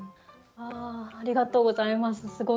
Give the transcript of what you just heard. わあありがとうございます。